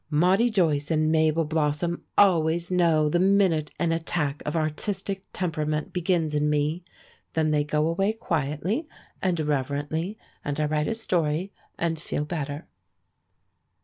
Maudie Joyce and Mabel Blossom always know the minute an attack of artistic temperament begins in me. Then they go away quietly and reverently, and I write a story and feel better.